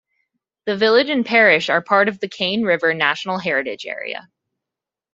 The village and parish are part of the Cane River National Heritage Area.